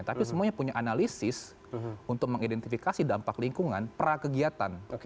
tapi semuanya punya analisis untuk mengidentifikasi dampak lingkungan prakegiatan